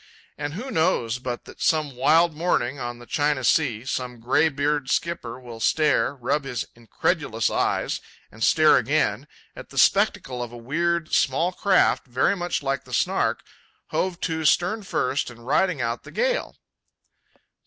And who knows but that some wild morning on the China Sea, some gray beard skipper will stare, rub his incredulous eyes and stare again, at the spectacle of a weird, small craft very much like the Snark, hove to stern first and riding out the gale?